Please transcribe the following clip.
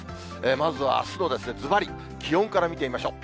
まずはあすのずばり、気温から見てみましょう。